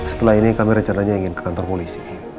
setelah ini kami rencananya ingin ke kantor polisi